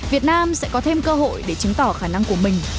việt nam sẽ có thêm cơ hội để chứng tỏ khả năng của mình